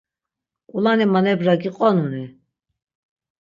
Ǩulani manebra giqonuni?